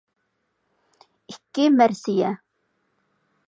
ئىككى مەرسىيە